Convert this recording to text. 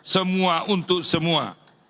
semua untuk semua